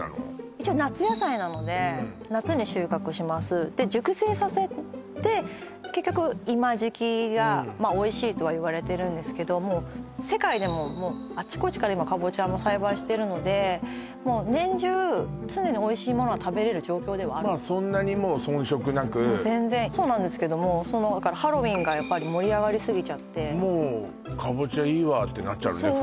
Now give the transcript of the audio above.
一応夏野菜なので夏に収穫しますで熟成させて結局今時期がまあおいしいとはいわれてるんですけども世界でもあちこちから今カボチャも栽培してるのでもう年中常においしいものは食べれる状況ではあるそんなにもう遜色なく全然そうなんですけどもハロウィーンがやっぱり盛り上がりすぎちゃってもうカボチャいいわってなっちゃうよね